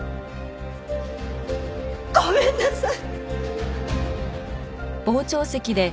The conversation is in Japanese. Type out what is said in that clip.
ごめんなさい！